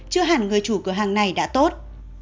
chưa hẳn người chủ cửa hàng này đã tốt